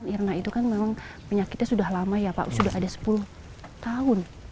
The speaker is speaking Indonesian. irna itu kan memang penyakitnya sudah lama ya pak sudah ada sepuluh tahun